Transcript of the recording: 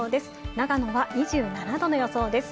長野は２７度の予想です。